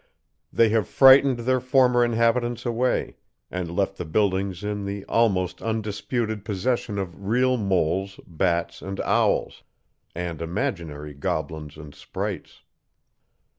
They have frightened their former inhabitants away, and left the buildings in the almost undisputed possession of real moles, bats, and owls, and imaginary goblins and sprites.